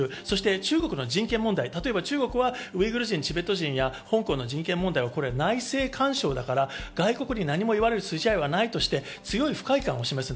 中国の人権問題、例えばウイグル人やチベット人、香港の人権問題を内政干渉だから外国に何も言われる筋合いはないと言って、強い不快感を示す。